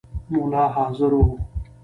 مُلا حاضر وو.